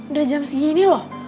udah jam segini loh